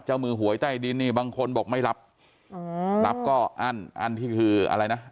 มือหวยใต้ดินนี่บางคนบอกไม่รับรับก็อั้นอั้นที่คืออะไรนะ